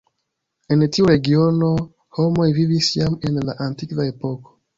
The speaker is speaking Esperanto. En tiu regiono homoj vivis jam en la antikva epoko.